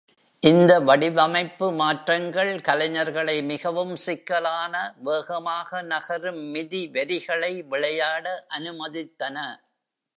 இந்த வடிவமைப்பு மாற்றங்கள் கலைஞர்களை மிகவும் சிக்கலான, வேகமாக நகரும் மிதி வரிகளை விளையாட அனுமதித்தன.